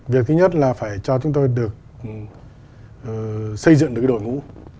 việc thứ nhất là phải cho chúng tôi được xây dựng được đội ngũ